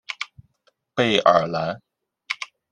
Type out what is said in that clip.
贝尔兰。